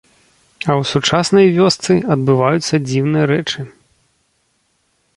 А ў сучаснай вёсцы адбываюцца дзіўныя рэчы.